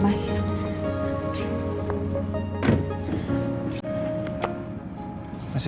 masih susah jalan